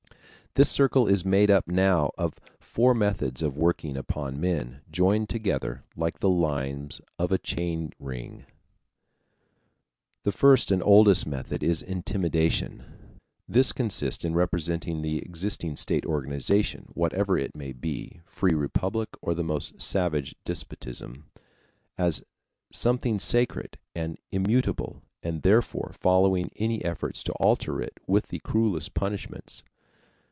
This circle is made up now of four methods of working upon men, joined together like the limes of a chain ring. The first and oldest method is intimidation. This consists in representing the existing state organization whatever it may be, free republic or the most savage despotism as something sacred and immutable, and therefore following any efforts to alter it with the cruellest punishments.